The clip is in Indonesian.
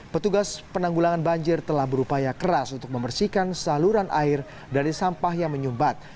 petugas penanggulangan banjir telah berupaya keras untuk membersihkan saluran air dari sampah yang menyumbat